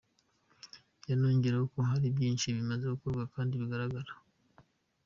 Yanongeyeho ko hari byinshi bimaze gukorwa kandi bigaragara.